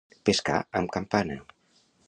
Pescar amb campana.